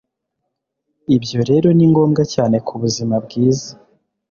ibyo rero ni ngombwa cyane kubuzima bwiza.”